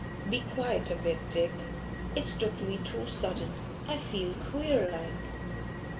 'Be quiet a bit, Dick. It's took me too sudden. I feel queer like.